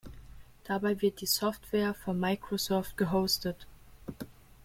Dabei wird die Software von Microsoft gehostet.